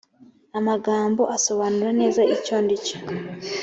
amagambo asobanura neza icyo ndicyo